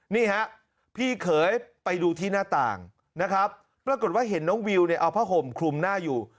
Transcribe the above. นี่ฮะพี่เขยไปดูที่หน้าต่างนะครับปรากฏว่าเห็นน้องวิวเนี่ยเอาผ้าห่มคลุมหน้าอยู่